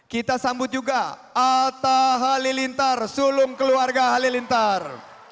kita sambut juga atta halilintar sulung keluarga halilintar